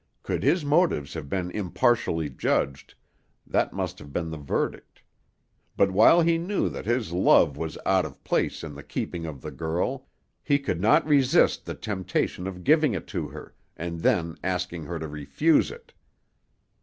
Could his motives have been impartially judged, that must have been the verdict; but while he knew that his love was out of place in the keeping of the girl, he could not resist the temptation of giving it to her, and then asking her to refuse it.